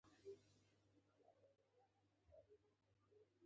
سرطبيب سړي ته مخ واړاوه ويې ويل.